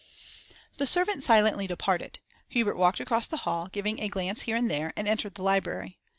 The servant silently departed. Hubert walked across the hall, giving a glance here and there, and entered the library.